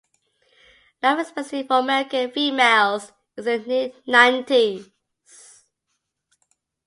Life expectancy for American females is in the mid-nineties.